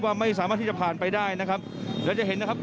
ไม่สามารถที่จะผ่านไปได้นะครับเดี๋ยวจะเห็นนะครับ